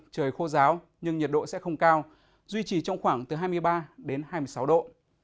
trời khô ráo nhưng nhiệt độ sẽ không cao duy trì trong khoảng từ hai mươi ba đến hai mươi sáu độ